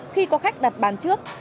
khi có khách đặt bán trước